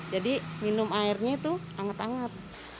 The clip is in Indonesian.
jadi minum airnya itu hangat hangat